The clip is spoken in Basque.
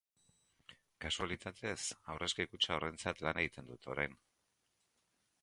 Kasualitatez, aurrezki kutxa horrentzat lan egiten dut orain.